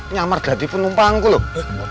nyamar dati penumpangku loh